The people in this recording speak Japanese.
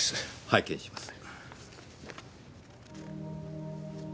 拝見します。